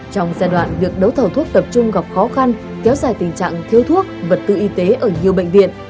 trong giai đoạn việc đấu thầu thuốc tập trung gặp khó khăn kéo dài tình trạng thiếu thuốc vật tư y tế ở nhiều bệnh viện